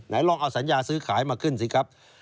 ลองเอาสัญญาซื้อขายมาขึ้นสิครับ